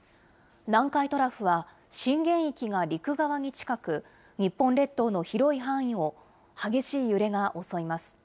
南海トラフは震源域が陸側に近く、日本列島の広い範囲を激しい揺れが襲います。